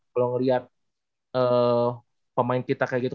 kalau ngeliat pemain kita kayak gitu